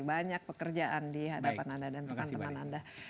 banyak pekerjaan di hadapan anda dan teman teman anda